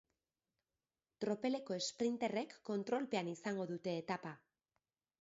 Tropeleko esprinterrek kontrolpean izango dute etapa.